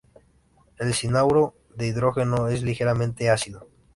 El cianuro de hidrógeno es ligeramente ácido.